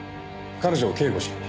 彼女を警護しに。